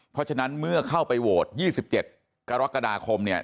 เพราะฉะนั้นเมื่อเข้าไปโหวต๒๗กรกฎาคมเนี่ย